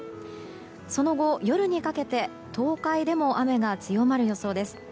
その後、夜にかけて東海でも雨が強まる予想です。